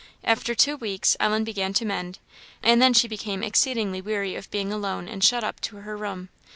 After two weeks Ellen began to mend, and then she became exceedingly weary of being alone and shut up to her room.